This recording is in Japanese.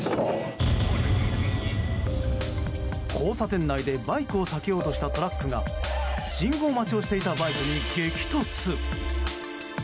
交差点内でバイクを避けようとしたトラックが信号待ちをしていたバイクに激突。